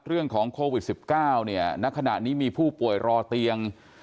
เรื่องของโควิด๑๙เนี่ยณขณะนี้มีผู้ป่วยรอเตียง